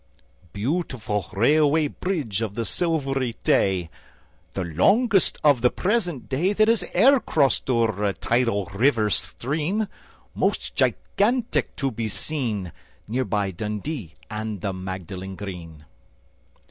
Beautiful Railway Bridge of the Silvery Tay! The longest of the present day That has ever crossed o'er a tidal river stream, Most gigantic to be seen, Near by Dundee and the Magdalen Green.